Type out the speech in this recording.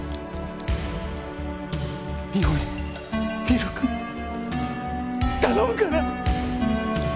美穂にミルク頼むから！